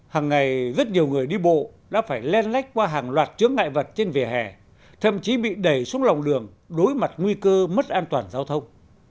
hàng ngày rất nhiều người đi bộ đã phải len lách qua hàng loạt chướng ngại vật trên vỉa hè thậm chí bị đẩy xuống lòng đường đối mặt nguy cơ mất an toàn giao thông